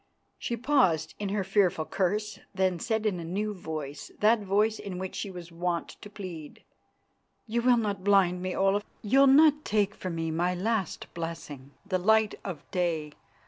She paused in her fearful curse, then said in a new voice, that voice in which she was wont to plead, "You will not blind me, Olaf. You'll not take from me my last blessing, the light of day.